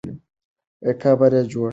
قبر یې جوړ سو.